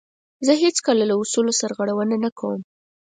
زه هیڅکله له اصولو سرغړونه نه کوم.